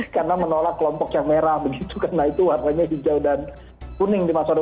karena menolak kelompok yang merah begitu karena itu warnanya hijau dan kuning di masjid